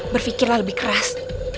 berfikirlah lebih keras